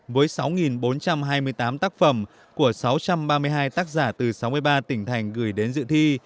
với sáu bốn trăm hai mươi tám tác phẩm của sáu trăm ba mươi hai tác giả từ sáu mươi ba tỉnh thành gửi đến dự thi